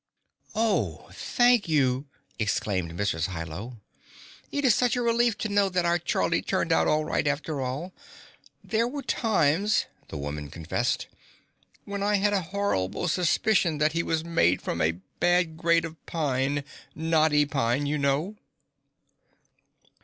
"Oh, thank you!" exclaimed Mrs. Hi Lo. "It is such a relief to know that our Charlie turned out all right after all. There were times," the woman confessed, "when I had a horrible suspicion that he was made from a bad grade of pine knotty pine, you know."